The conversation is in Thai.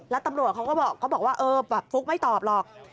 แล้วตำรวจเขาก็บอกว่าเออแบบฟุ๊กไม่ตอบหรอก